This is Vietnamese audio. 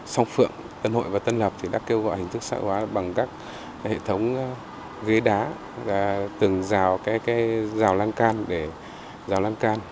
xong phượng tân hội và tân lập đã kêu gọi hình thức sợi hóa bằng các hệ thống ghế đá từng rào lan can